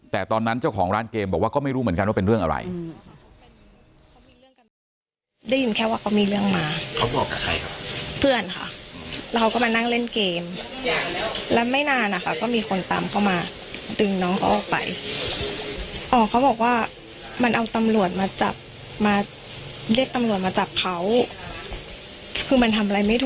แต่ตอนนั้นเจ้าของร้านเกมบอกว่าก็ไม่รู้เหมือนกันว่าเป็นเรื่องอะไร